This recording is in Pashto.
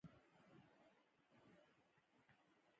لیکدود مهم دی.